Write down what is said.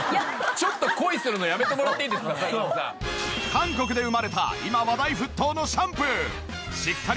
韓国で生まれた今話題沸騰のシャンプー！